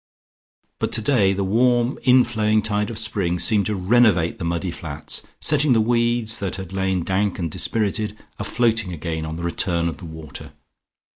But today the warm inflowing tide of spring seemed to renovate the muddy flats, setting the weeds, that had lain dank and dispirited, a floating again on the return of the water.